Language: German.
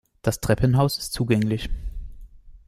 Das Treppenhaus ist zugänglich.